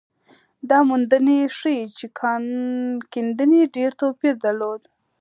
دا موندنې ښيي چې کان کیندنې ډېر توپیر درلود.